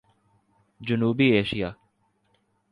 جنوبی ایشیا